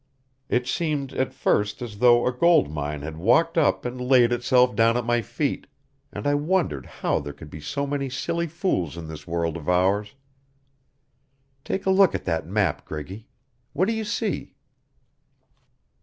It seemed, at first, as though a gold mine had walked up and laid itself down at my feet, and I wondered how there could be so many silly fools in this world of ours. Take a look at that map, Greggy. What do you see?"